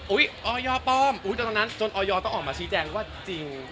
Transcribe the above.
อุ๊ยออย่อป้อมจนตอนนั้นจนออย่อต้องออกมาชี้แจงว่าจริง